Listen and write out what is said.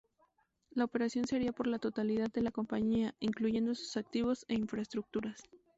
La operación sería por la totalidad de la compañía, incluyendo sus activos e infraestructuras.